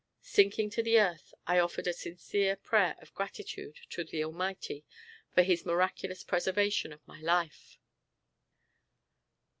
Sinking to the earth I offered a sincere prayer of gratitude to the Almighty for his miraculous preservation of my life!